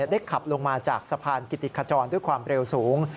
ได้ขับลงมาจากสะพานกิติขจรด้วยความเร็วสูง